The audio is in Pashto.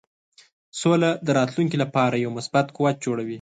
سوله د راتلونکې لپاره یو مثبت قوت جوړوي.